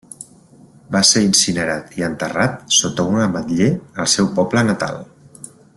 Va ser incinerat i enterrat sota un ametller al seu poble natal.